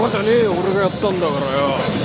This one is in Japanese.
俺がやったんだからよ。